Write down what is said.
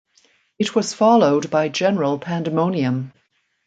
It was followed by general pandemonium.